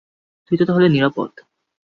তুই তো তাহলে নিরাপদ।